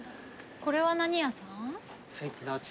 これは何屋さん？